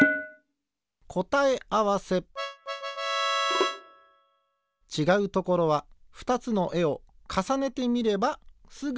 こたえあわせちがうところは２つのえをかさねてみればすぐわかる。